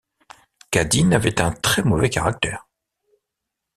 Cadine avait un très-mauvais caractère.